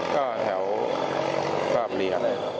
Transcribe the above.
ก็แถวกราบบรี